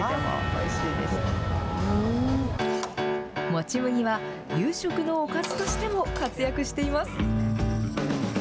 もち麦は、夕食のおかずとしても活躍しています。